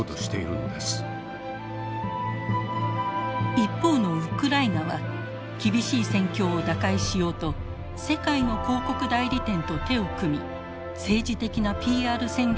一方のウクライナは厳しい戦況を打開しようと世界の広告代理店と手を組み政治的なＰＲ戦略を展開。